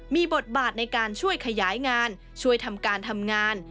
มีบทบาทในการช่วยขยายงานช่วยทำการทำงาน